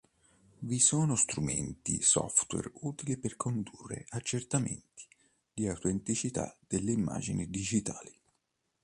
Vi sono strumenti software utili per condurre accertamenti di autenticità delle immagini digitali.